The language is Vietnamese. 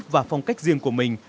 và phong cách riêng của mình